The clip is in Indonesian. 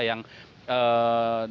yang diberikan oleh kapolri